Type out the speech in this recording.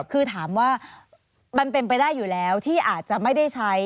คือถามว่ามันเป็นไปได้อยู่แล้วที่อาจจะไม่ได้ใช้